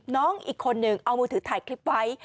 น้องอีกคนนึงเอามือถือถ่ายคลิปไว้